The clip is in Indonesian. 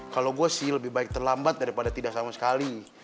kalau gue sih lebih baik terlambat daripada tidak sama sekali